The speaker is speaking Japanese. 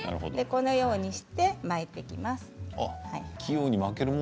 このように巻いていきます。